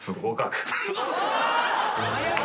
早い！